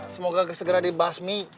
semoga segera dibasmi